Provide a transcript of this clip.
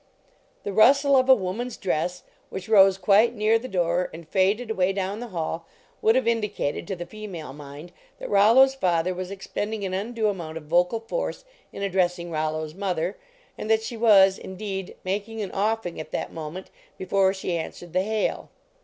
" The rustle of a woman s dress, which rose quite near the door and faded away down the hall, would have indicated to the female mind that Rollo s father was expending an undue amount of vocal force in addressing Rollo s mother, and that she was, indeed, making an offing at that moment before she answered the hail.